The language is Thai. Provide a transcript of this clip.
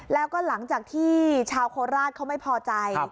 แล้วก็หลังจากที่ชาวโคราชเขาไม่พอใจ